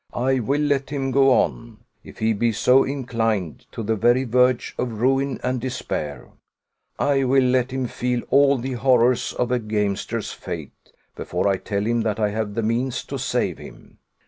I will let him go on if he be so inclined to the very verge of ruin and despair: I will let him feel all the horrors of a gamester's fate, before I tell him that I have the means to save him.